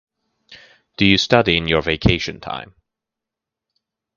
Do you study in vacation time?